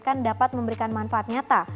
akan dapat memberikan manfaat nyata